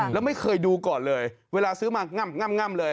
แล้วไม่เคยดูก่อนเลยเวลาซื้อมาง่ำเลย